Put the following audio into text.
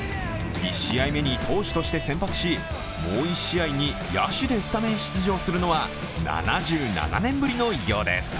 １試合目に投手として先発しもう１試合に野手でスタメン出場するのは７７年ぶりの偉業です。